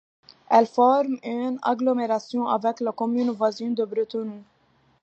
Elle forme une agglomération avec la commune voisine de Bretenoux.